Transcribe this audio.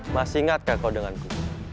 masih ingatkah kau denganku